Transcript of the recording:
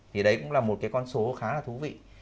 thì đấy cũng là một cái con số khá là thú vị